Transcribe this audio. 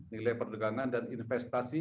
nilai perdagangan dan investasi